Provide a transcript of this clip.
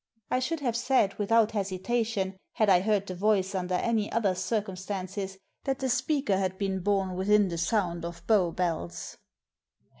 I should have said without hesitation, had I heard the voice under any other circumstances, that the speaker had been bom within the sound of Bow Bells.